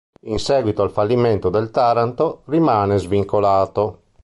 In seguito al fallimento del Taranto rimane svincolato.